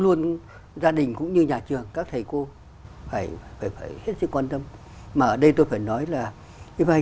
luôn gia đình cũng như nhà trường các thầy cô phải hết sức quan tâm mà ở đây tôi phải nói là cái vai